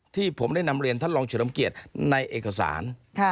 ที่ผมได้นำเรียนท่านรองเฉลิมเกียรติในเอกสาร